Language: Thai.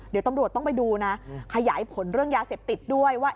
เดี๋ยวตำรวจต้องไปดูนะขยายผลเรื่องยาเสพติดด้วยว่า